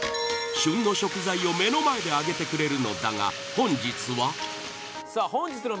旬の食材を目の前で揚げてくれるのだが本日は？